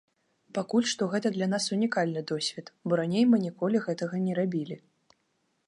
Пакуль што гэта для нас унікальны досвед, бо раней мы ніколі гэтага не рабілі.